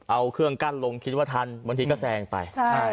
เอาเครื่องกั้นลงคิดว่าทันบางทีก็แซงไป